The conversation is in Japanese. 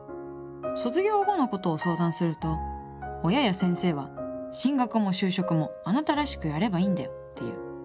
卒業後のことを相談すると親や先生は「進学も就職もあなたらしくやればいいんだよ」って言う。